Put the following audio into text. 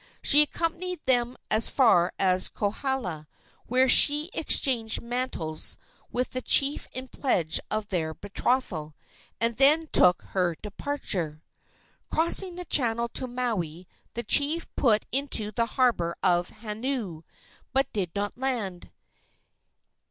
She accompanied them as far as Kohala, where she exchanged mantles with the chief in pledge of their betrothal, and then took her departure. Crossing the channel to Maui, the chief put into the harbor of Haneoo, but did not land.